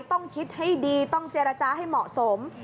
ต้องคิดให้ดีต้องเจรจาให้เหมาะสม